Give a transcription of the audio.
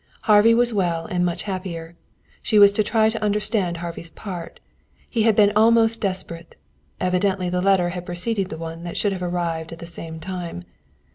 Harvey was well and much happier. She was to try to understand Harvey's part. He had been almost desperate. Evidently the letter had preceded one that should have arrived at the same time.